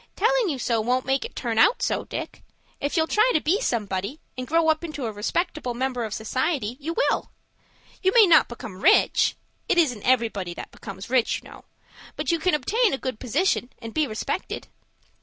"Telling you so won't make it turn out so, Dick. If you'll try to be somebody, and grow up into a respectable member of society, you will. You may not become rich,—it isn't everybody that becomes rich, you know—but you can obtain a good position, and be respected."